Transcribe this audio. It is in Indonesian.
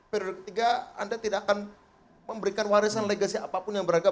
periode ketiga anda tidak akan memberikan warisan legasi apapun yang beragam